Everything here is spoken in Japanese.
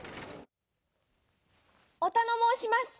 「おたのもうします！